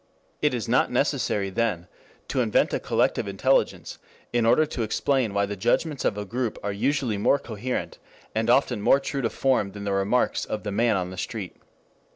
It is not necessary, then, to invent a collective intelligence in order to explain why the judgments of a group are usually more coherent, and often more true to form than the remarks of the man in the street.